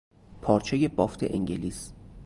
پارچهی بافت انگلیس